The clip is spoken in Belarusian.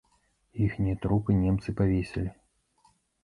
Іхнія трупы немцы павесілі.